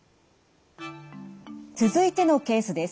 続いてのケースです。